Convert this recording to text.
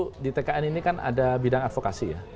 kalau di tkn ini kan ada bidang advokasi ya